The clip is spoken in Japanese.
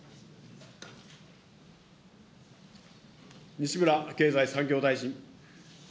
西村経済産業大臣。